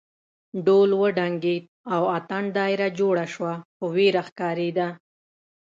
ډول وډنګېد او اتڼ دایره جوړه شوه خو وېره ښکارېده.